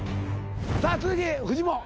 さあ続いてフジモン。